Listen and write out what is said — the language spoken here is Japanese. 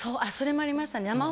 あっそれもありましたね。